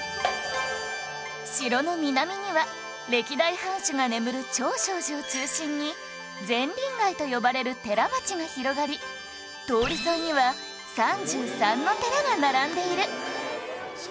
城の南には歴代藩主が眠る長勝寺を中心に禅林街と呼ばれる寺町が広がり通り沿いには３３の寺が並んでいる